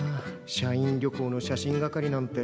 社員旅行の写真係なんて。